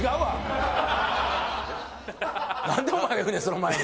なんでお前が言うねんその前に。